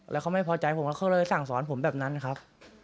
แล้วเขาไม่พอใจผมแล้วเขาเลยสั่งสอนผมแบบนั้นครับ